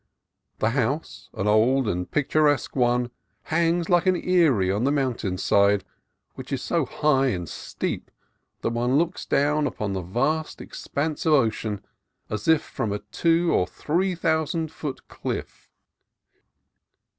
The house, an old and pictur esque one, hangs like an eyrie on the mountain side, which here is so high and steep that one looks down upon the vast expanse of ocean as if from a two or three thousand foot cliff.